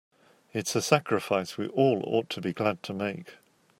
It's a sacrifice we all ought to be glad to make.